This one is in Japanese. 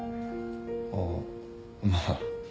ああまあ。